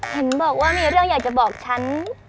เห็นบอกว่ามีเรื่องอยากจะบอกฉัน